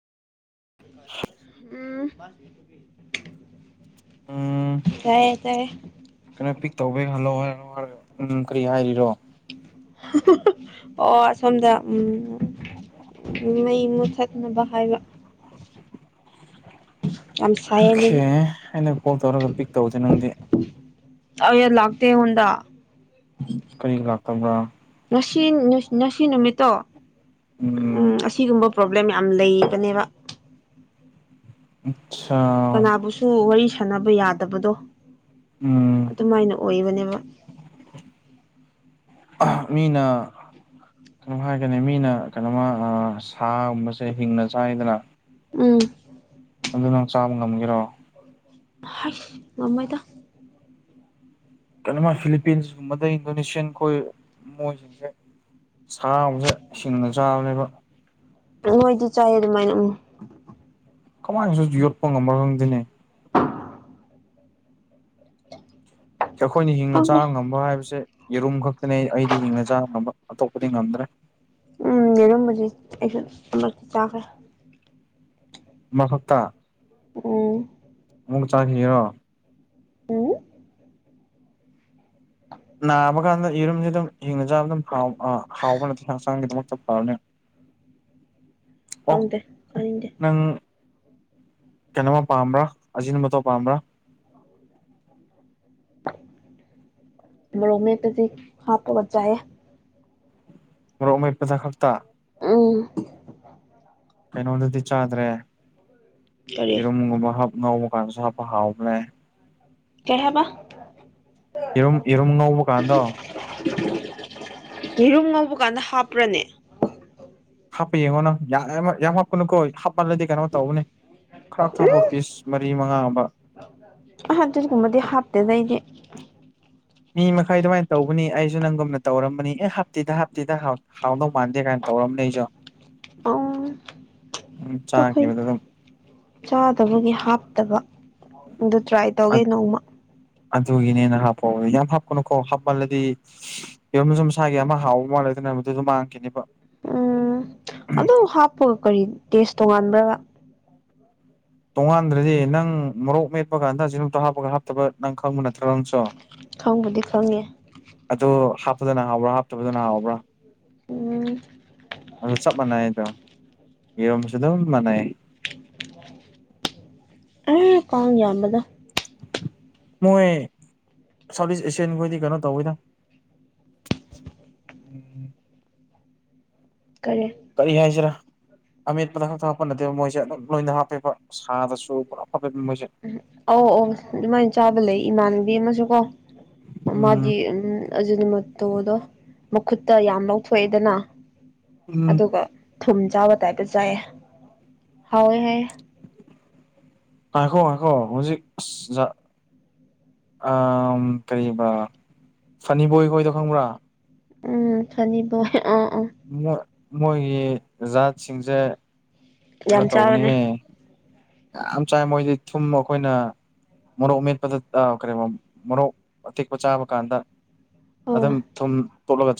ꯎꯝ ꯎꯝ ꯇꯥꯏꯌꯦ ꯇꯥꯏꯌꯦ ꯀꯩꯅꯣ ꯄꯤꯛ ꯇꯧꯕꯩ [unintelligible] ꯀꯔꯤ ꯍꯥꯏꯔꯤꯔꯣ [inaudible] ꯑꯣ ꯑꯁꯣꯝꯗ ꯎꯝ ꯃꯩ ꯃꯨꯊꯠꯅꯕ ꯍꯥꯏꯕ ꯌꯥꯝ ꯁꯥꯏꯌꯦ ꯑꯣꯈꯦ ꯑꯗꯨꯒꯤ ꯑꯩꯅ ꯀꯣꯜ ꯇꯧꯔꯒ ꯄꯤꯛ ꯇꯧꯗꯦ ꯅꯪꯗꯤ ꯑꯌꯥ ꯂꯥꯛꯇꯦ ꯑꯩꯉꯣꯟꯗ ꯀꯔꯤꯒꯤ ꯂꯥꯛꯇꯕ꯭ꯔꯥ ꯉꯁꯤ ꯉꯁꯤ ꯅꯨꯃꯤꯠꯇꯣ ꯎꯝ ꯑꯁꯤꯒꯨꯝꯕ ꯄ꯭ꯔꯣꯕ꯭ꯂꯦꯝ ꯌꯥꯝ ꯂꯩꯕꯅꯦꯕ ꯑꯠꯁꯥ ꯀꯅꯥꯕꯨꯁꯨ ꯋꯥꯔꯤ ꯁꯥꯟꯅꯕ ꯌꯥꯗꯕꯗꯣ ꯎꯝ ꯑꯗꯨꯃꯥꯏꯅ ꯑꯣꯏꯕꯅꯦꯕ [inaudible] ꯃꯤꯅ ꯀꯩꯅꯣ ꯍꯥꯏꯒꯅꯤ ꯃꯤꯅ ꯀꯩꯅꯣꯃ ꯑ ꯁꯥꯒꯨꯝꯕꯁꯦ ꯍꯤꯡꯅ ꯆꯥꯏꯗꯅ ꯎꯝ ꯑꯗꯨ ꯅꯪ ꯆꯥꯕ ꯉꯝꯒꯦꯔꯣ ꯍꯥꯏꯁ ꯉꯥꯝꯃꯣꯏꯗ ꯀꯩꯅꯣꯃ ꯐꯤꯂꯤꯄꯤꯟꯁ ꯒꯨꯝꯕꯗꯩ ꯏꯟꯗꯣꯅꯦꯁꯤꯌꯥꯟ ꯈꯣꯏ ꯃꯣꯏꯁꯤꯡꯁꯦ ꯁꯥꯕꯨꯁꯨ ꯍꯤꯡꯅ ꯆꯥꯕꯅꯦꯕ ꯃꯣꯏꯗꯤ ꯆꯥꯏ ꯑꯗꯨꯃꯥꯏꯅ ꯎꯝ ꯀꯃꯥꯏꯅꯁꯨ ꯌꯣꯠꯄ ꯉꯝꯕ꯭ꯔ ꯈꯪꯗꯦꯅꯦ ꯑꯩꯈꯣꯏꯅ ꯍꯤꯡꯅ ꯈꯪꯗꯦ ꯆꯥꯕ ꯉꯝꯕ ꯍꯥꯏꯕꯁꯦ ꯌꯦꯔꯨꯝ ꯈꯛꯇꯅꯦ ꯑꯩꯗꯤ ꯍꯤꯡꯅ ꯆꯥꯕ ꯉꯝꯕ ꯑꯇꯣꯞꯄꯗꯤ ꯉꯝꯗ꯭ꯔꯦ ꯎꯝ ꯌꯥꯔꯨꯝꯕꯗꯤ ꯑꯩꯁꯨ ꯑꯃꯨꯔꯛꯇꯤ ꯇꯥꯈ꯭ꯔꯦ ꯑꯃꯥꯈꯛꯇ ꯎꯝ ꯑꯃꯥꯃꯨꯛ ꯆꯥꯈꯤꯒꯦꯔꯣ ꯎꯝ [inaudible] ꯅꯥꯕ ꯀꯥꯟꯗ ꯌꯦꯔꯨꯝꯁꯦ ꯑꯗꯨꯝ ꯍꯤꯡꯅ ꯆꯥꯕ ꯑꯗꯨꯝ ꯍꯥꯎ ꯍꯥꯎꯕ ꯅꯠꯇꯦ ꯍꯛꯆꯥꯡꯒꯤꯗꯃꯛꯇ ꯐꯥꯕꯅꯤ ꯑꯣ ꯈꯪꯗꯦ ꯆꯥꯅꯤꯡꯗꯦ ꯅꯪ ꯀꯩꯅꯣꯝꯃ ꯄꯥꯝꯕ꯭ꯔꯥ ꯑꯖꯤꯅꯤ ꯃꯣꯇꯣ ꯄꯥꯝꯕ꯭ꯔꯥ ꯃꯔꯣꯃꯦꯠꯄꯗꯥ ꯍꯥꯄꯒꯥ ꯆꯥꯏꯌꯦ ꯃꯔꯣꯛ ꯃꯦꯠꯄꯗ ꯈꯛꯇ ꯑꯝ ꯀꯩꯅꯣꯗꯗꯤ ꯆꯥꯗ꯭ꯔꯦ ꯀꯔꯤ ꯌꯦꯔꯨꯝꯒꯨꯝꯕ ꯍꯥꯞ ꯉꯧꯕ ꯀꯥꯟꯗꯁꯨ ꯍꯥꯞꯄ ꯍꯥꯎꯕ꯭ꯅꯦ ꯀꯩ ꯍꯥꯏꯕꯥ ꯌꯦꯔꯨꯝ ꯌꯦꯔꯨꯝ ꯉꯧꯕ ꯀꯥꯟꯗꯣ ꯌꯦꯔꯨꯝ ꯉꯧꯕ ꯀꯥꯟꯗ ꯍꯥꯞꯄ꯭ꯔꯅꯦ ꯍꯥꯞꯄ ꯌꯦꯡꯉꯣ ꯅꯪ ꯌꯥꯝ ꯍꯥꯞꯄꯅꯨꯀꯣ ꯍꯥꯞꯄꯜꯂꯗꯤ ꯀꯩꯅꯣ ꯇꯧꯕꯅꯤ ꯈꯔ ꯊꯥꯄ ꯄꯤꯁ ꯃꯔꯤ ꯃꯉꯥ ꯑꯃ ꯑꯗꯨꯒꯨꯃꯕꯗꯤ ꯍꯞꯇꯦꯗꯥ ꯑꯩꯗꯤ ꯃꯤ ꯃꯈꯥꯏ ꯑꯗꯨꯃꯥꯏꯅ ꯇꯧꯕꯅꯤ ꯑꯩꯁꯨ ꯅꯪꯒꯨꯝꯅ ꯇꯧꯔꯝꯕꯅꯤ ꯑꯦ ꯍꯥꯞꯇꯤꯗ ꯍꯥꯞꯇꯤꯗ ꯍꯥꯎꯗꯧ ꯃꯥꯟꯗꯦ ꯀꯥꯏꯅ ꯇꯧꯔꯝꯅꯦ ꯑꯩꯁꯨ ꯎꯝ ꯎꯝ ꯑꯩꯈꯣꯏ ꯆꯥꯈꯤꯕꯗ ꯑꯗꯨꯝ ꯆꯥꯗꯕꯒꯤ ꯍꯥꯞꯇꯕ ꯑꯗꯨ ꯇ꯭ꯔꯥꯏ ꯇꯧꯒꯦ ꯅꯣꯡꯃ ꯑꯗꯨꯒꯤꯅꯦꯅ ꯍꯥꯞꯄꯑꯣ ꯌꯥꯝ ꯍꯥꯞꯀꯅꯨꯀꯣ ꯍꯥꯞꯃꯜꯂꯗꯤ ꯌꯦꯔꯨꯝꯁꯨ ꯃꯁꯥꯒꯤ ꯑꯃ ꯍꯥꯎꯕ ꯃꯥꯜꯂꯗꯅ ꯃꯗꯨꯁꯨ ꯃꯥꯡꯈꯤꯅꯦꯕ ꯎꯝ ꯑꯗꯨ ꯍꯥꯞꯄꯒ ꯀꯔꯤ ꯇꯦꯁ ꯇꯣꯉꯥꯟꯕ꯭ꯔ ꯇꯣꯡꯉꯥꯟꯗ꯭ꯔꯗꯤ ꯅꯪ ꯃꯔꯣꯛ ꯃꯦꯠꯄꯀꯟꯗ ꯌꯦꯔꯨꯝ ꯇꯥꯪ ꯍꯥꯞꯄꯒ ꯍꯥꯞꯇꯕ ꯅꯪ ꯈꯪꯕ ꯅꯠꯇꯦ ꯈꯪꯕꯨꯗꯤ ꯈꯪꯉꯦ ꯑꯗꯨ ꯍꯥꯞꯄꯗꯅ ꯍꯥꯎꯕ꯭ꯔꯥ ꯍꯥꯞꯇꯕꯗꯅ ꯍꯥꯎꯕ꯭ꯔꯥ ꯎꯝ ꯑꯣ ꯆꯞ ꯃꯥꯟꯅꯩꯗꯣ ꯌꯦꯔꯣꯝꯁꯨ ꯑꯗꯨꯝ ꯃꯥꯟꯅꯩ ꯑ ꯄꯥꯡ ꯌꯥꯝꯕꯗꯣ ꯃꯣꯏ ꯁꯥꯎꯠ ꯏꯁ ꯑꯦꯁꯤꯌꯥꯟ ꯈꯣꯏꯗꯤ ꯀꯩꯅꯣ ꯇꯧꯋꯤꯗ ꯎꯝ ꯀꯔꯦ ꯀꯔꯤ ꯍꯥꯏꯁꯤꯔꯥ ꯑꯃꯦꯠꯄꯗ ꯈꯛꯇꯪ ꯍꯥꯞꯄ ꯅꯠꯇꯦꯕ ꯃꯣꯏꯁꯦ ꯑꯗꯨꯝ ꯂꯣꯏꯅ ꯍꯥꯞꯄꯦꯕ ꯁꯥꯗꯁꯨ ꯄꯨꯔꯥ ꯑꯐꯕꯦ ꯃꯤ ꯃꯣꯏꯁꯦ ꯎ ꯑꯧ ꯑꯧ ꯑꯗꯨꯃꯥꯏꯅ ꯆꯥꯕ ꯂꯩ ꯏꯃꯥꯟꯅꯕꯤ ꯑꯃꯁꯨꯀꯣ ꯃꯥꯗꯤ ꯎꯝ ꯑꯖꯤꯅꯤ ꯃꯇꯣꯗꯣ ꯃꯈꯨꯠꯇ ꯌꯥꯝ ꯂꯧꯊꯣꯛꯑꯦꯗꯅ ꯎꯝ ꯑꯗꯨꯒ ꯊꯨꯝ ꯆꯥꯕ ꯇꯥꯏꯞꯇ ꯆꯥꯏꯌꯦ ꯍꯋꯦ ꯍꯥꯏ ꯉꯥꯏꯈꯣ ꯉꯥꯏꯈꯣ ꯍꯧꯖꯦꯛ ꯑꯁ ꯖꯥ ꯑ ꯀꯔꯤꯕꯥ ꯐꯟꯅꯤ ꯕꯣꯏ, ꯍꯥꯏꯗꯣ ꯈꯡꯕꯔꯥ ꯎꯝ ꯐꯅꯤ ꯕꯣꯏ ꯑ ꯑ ꯣꯏ ꯃꯣꯏꯒꯤ ꯖꯥꯠꯁꯤꯡꯁꯦ ꯀꯩꯅꯣ ꯌꯥꯝ ꯆꯥꯕꯅꯦ ꯇꯧꯕꯅꯦꯍꯦ ꯌꯥꯝ ꯆꯥꯏ ꯃꯣꯏꯗꯤ ꯊꯨꯝ ꯑꯩꯈꯣꯏꯅ ꯃꯔꯣꯔꯣꯛ ꯃꯦꯠꯄꯗ ꯀꯔꯤꯕꯥ ꯃꯔꯣꯔꯣꯛ ꯑꯇꯦꯛꯄ ꯆꯥꯕ ꯀꯥꯟꯗ ꯑꯣ ꯑꯗꯨꯝ ꯊꯨꯝ ꯇꯣꯂꯒ